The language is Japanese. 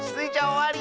おわり！